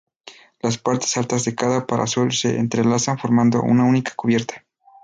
Las partes altas de cada parasol se entrelazan formando una única cubierta.